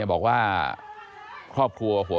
ไอ้แม่ได้เอาแม่ได้เอาแม่